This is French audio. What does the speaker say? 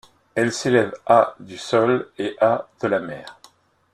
Elle s'élève à du sol et à de la mer.